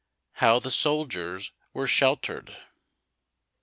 HOW THE SOLDIERS WERE SHELTERED.